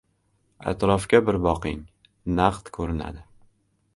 Atrofga bir boqing naqd ko‘rinadi